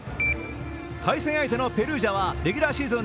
対戦相手のペルージャはレギュラーシーズン